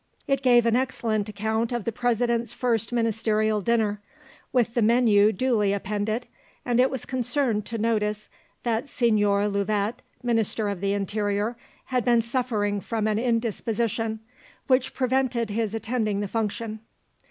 It gave an excellent account of the President's first ministerial dinner, with the menu duly appended, and it was concerned to notice that Señor Louvet, Minister of the Interior, had been suffering from an indisposition which prevented his attending the function.